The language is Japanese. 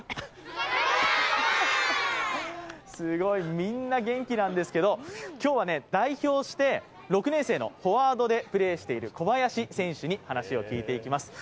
みんな元気なんですけど、今日は代表して６年生のフォワードでプレーしている小林選手に話を聞いていきます。